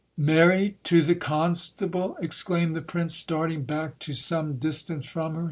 Married to the constable ! exclaimed the prince, starting back to some dis tance from her.